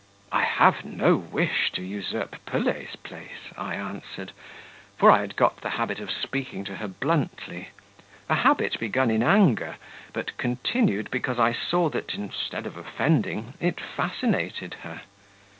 "I have no wish to usurp Pelet's place," I answered, for I had got the habit of speaking to her bluntly a habit begun in anger, but continued because I saw that, instead of offending, it fascinated her.